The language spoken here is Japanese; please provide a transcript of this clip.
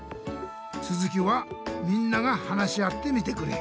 つづきはみんなが話し合ってみてくれ。